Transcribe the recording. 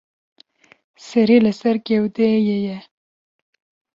Serî li ser gewdeyê ye.